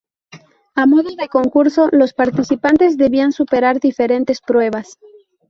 A modo de concurso, los participantes debían superar diferentes pruebas.